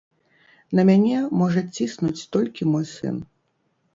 На мяне можа ціснуць толькі мой сын.